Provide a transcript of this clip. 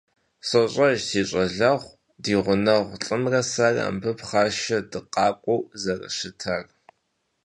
СощӀэж си щӀалэгъуэу ди гъунэгъу лӀымрэ сэрэ мыбы пхъашэ дыкъакӀуэу зэрыщытар.